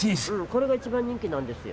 これが一番人気なんですよ。